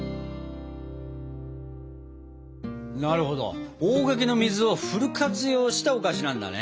なるほど大垣の水をフル活用したお菓子なんだね。